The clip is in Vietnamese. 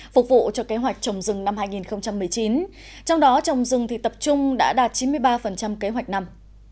phục vụ cho kế hoạch trồng rừng năm hai nghìn một mươi chín trong đó trồng rừng tập trung đã đạt chín mươi ba kế hoạch năm